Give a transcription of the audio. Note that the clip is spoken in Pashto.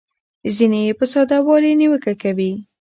ځینې یې په ساده والي نیوکه کوي.